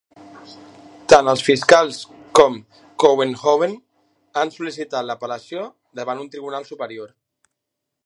Tant els fiscals com Kouwenhoven han sol·licitat l'apel·lació davant un tribunal superior.